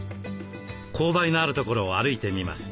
勾配のある所を歩いてみます。